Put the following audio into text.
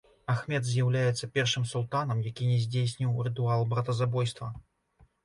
Ахмед з'яўляецца першым султанам, які не здзейсніў рытуал братазабойства.